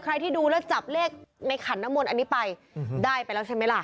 ใครที่ดูแล้วจับเลขในขันน้ำมนต์อันนี้ไปได้ไปแล้วใช่ไหมล่ะ